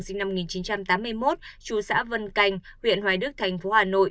sinh năm một nghìn chín trăm tám mươi một chú xã vân canh huyện hoài đức thành phố hà nội